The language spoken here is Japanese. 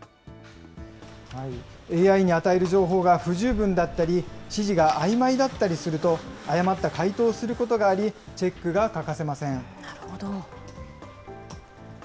ＡＩに与える情報が不十分だったり、指示があいまいだったりすると、誤った回答をすることがあり、チェックが欠かせません。